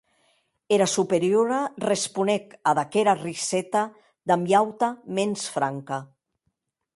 Era Superiora responec ad aquera riseta damb ua auta mens franca.